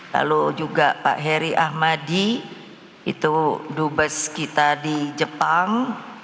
lalu juga pak heri ahmadi itu dubes kita di jepang